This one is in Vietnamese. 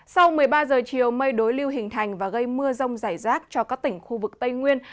sau một mươi ba giờ chiều mây đối lưu hình thành và gây mưa rông rải rác cho các tỉnh khu vực tây nguyên